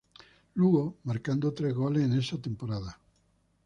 Lugo, marcando tres goles en esa temporada.